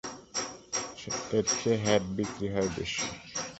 এরচেয়ে hat বিক্রি হয় বেশি।